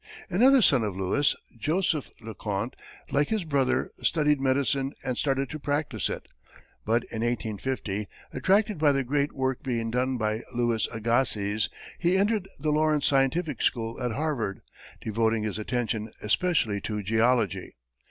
Another son of Lewis, Joseph Le Conte, like his brother, studied medicine and started to practice it; but in 1850, attracted by the great work being done by Louis Agassiz, he entered the Lawrence Scientific School at Harvard, devoting his attention especially to geology.